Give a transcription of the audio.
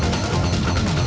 terima kasih chandra